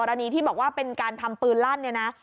รณีที่บอกว่าเป็นการทำปืนลั่นเนี่ยนะ